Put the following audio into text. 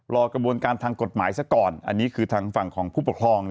รอกระบวนการทางกฎหมายซะก่อนอันนี้คือทางฝั่งของผู้ปกครอง